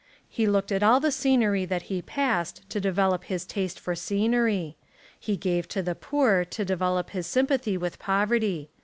He looked at all the scenery that he passed to develop his taste for scenery. He gave to the poor to develop his sympathy 53 Essays and Literary Studies with poverty.